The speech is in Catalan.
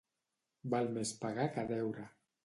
Val més pagar que deure.